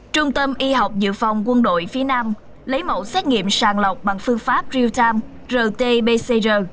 trung tâm y học dự phòng quân đội phía nam lấy mẫu xét nghiệm sàng lọc bằng phương pháp real time rt pcr